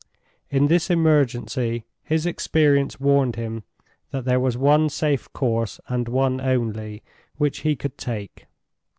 In this emergency, his experience warned him that there was one safe course, and one only, which he could take.